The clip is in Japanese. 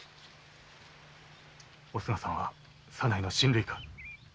おすがさんは左内の親類か？